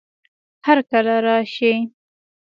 هر کله راشئ